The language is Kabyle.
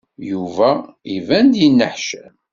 Yuba iban-d yenneḥcam.